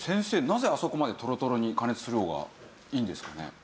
なぜあそこまでとろとろに加熱する方がいいんですかね？